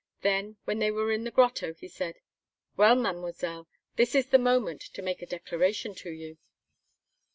Then, when they were in the grotto, he said: "Well, Mademoiselle, this is the moment to make a declaration to you."